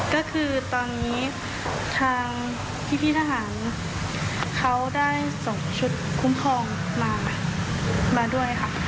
ก็คือตอนนี้ทางพี่ทหารเขาได้ส่งชุดคุ้มครองมาด้วยค่ะ